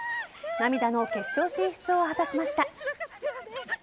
涙の決勝進出を果たしました。